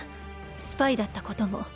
スパイだったことも。